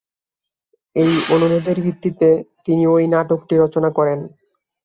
এই অনুরোধের ভিত্তিতে তিনি ঐ নাটকটি রচনা করেন।